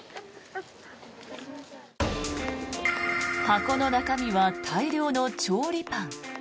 箱の中身は大量の調理パン。